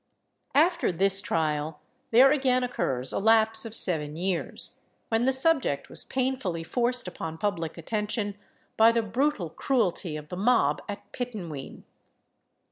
After this trial, there again occurs a lapse of seven years, when the subject was painfully forced upon public attention by the brutal cruelty of the mob at Pittenween.